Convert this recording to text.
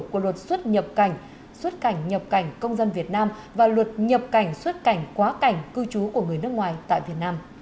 của luật xuất nhập cảnh xuất cảnh nhập cảnh công dân việt nam và luật nhập cảnh xuất cảnh quá cảnh cư trú của người nước ngoài tại việt nam